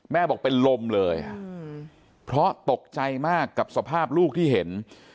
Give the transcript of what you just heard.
บอกเป็นลมเลยเพราะตกใจมากกับสภาพลูกที่เห็น